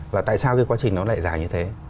và tại sao cái quá trình nó lại dài như thế